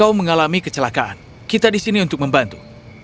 kalau mengalami kecelakaan kita di sini untuk membantu